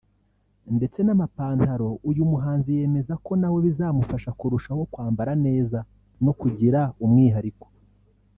ndetse n’amapantalo uyu muhanzi yemeza ko nawe bizamufasha kurushaho kwambara neza no kugira umwihariko